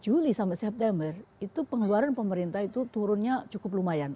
juli sampai september itu pengeluaran pemerintah itu turunnya cukup lumayan